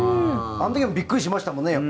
あの時もびっくりしましたよね